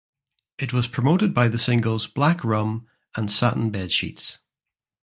It was promoted by the singles "Black Rum" and "Satin Bedsheets".